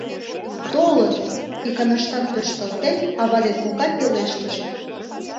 — Толыт! — иканаштак тӧршталтен, ава ден кока пелештышт.